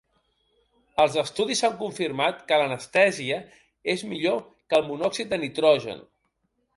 Els estudis han confirmat que l'anestèsia és millor que el monòxid de nitrogen.